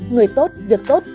người tốt việc tốt